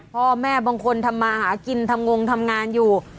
พ่อแม่บางคนทำมาหากินทำงงทำงานอยู่